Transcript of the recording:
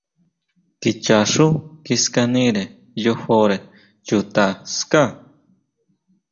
Kichaxú kiskanire yojore chuta ská.